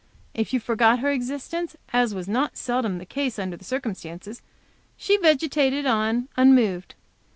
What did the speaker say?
If you forgot her existence, as was not seldom the case under the circumstances, she vegetated on, unmoved.